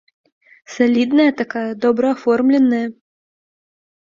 Салідная такая, добра аформленая.